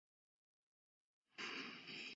以其在非线性光学领域的研究而知名。